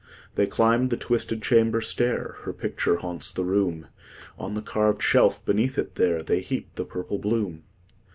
They climb the twisted chamber stair; Her picture haunts the room; On the carved shelf beneath it there, They heap the purple bloom.